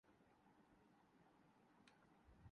پکانے کی ترکیب پر روشنی ڈالی